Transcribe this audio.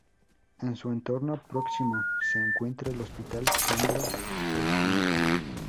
En su entorno próximo se encuentra el Hospital Sandro Pertini.